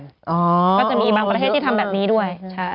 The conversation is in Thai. ก็จะมีบางประเทศที่ทำแบบนี้ด้วย